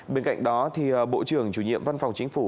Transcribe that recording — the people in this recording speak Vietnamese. bên cạnh đó bộ trưởng chủ nhiệm văn phòng chính phủ